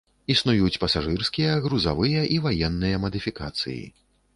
Існуюць пасажырскія, грузавыя і ваенныя мадыфікацыі.